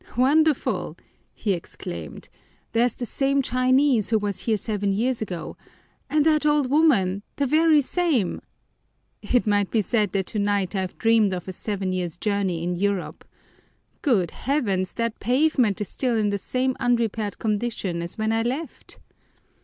"Wonderful!" he exclaimed. "There's the same Chinese who was here seven years ago, and that old woman the very same! It might be said that tonight I've dreamed of a seven years' journey in Europe. Good heavens, that pavement is still in the same unrepaired condition as when I left!"